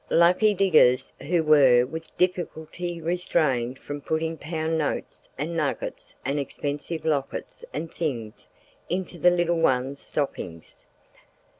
Lucky diggers who were with difficulty restrained from putting pound notes and nuggets and expensive lockets and things into the little ones' stockings.